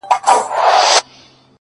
زه هم له خدايه څخه غواړمه تا”